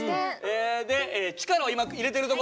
で力を今入れてる所。